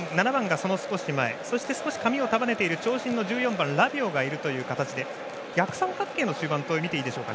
そして、少し髪を束ねている長身の１４番ラビオがいるという逆三角形の中盤とみていいでしょうか。